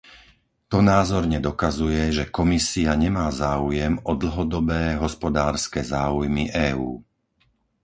To názorne dokazuje, že Komisia nemá záujem o dlhodobé hospodárske záujmy EÚ.